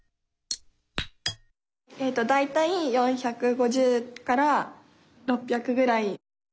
だいたい４５０から６００ぐらい。